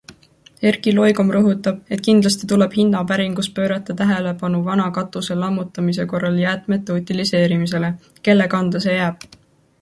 Erki Loigom rõhutab, et kindlasti tuleb hinnapäringus pöörata tähelepanu vana katuse lammutamise korral jäätmete utiliseerimisele - kelle kanda see jääb?